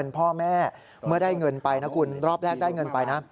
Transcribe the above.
พ่อแม่เมื่อได้เงินไปนะคุณรอบแรกได้เงินไปนะ